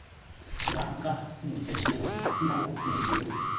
Lǎʼ ghâa ŋuu pei zʉ́ jwôghʼ, n dághʼ ghó ŋuu o pə̌ zʉ́.